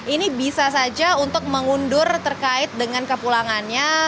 ini bisa saja untuk mengundur terkait dengan kepulangannya